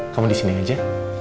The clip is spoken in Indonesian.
kamu disini aja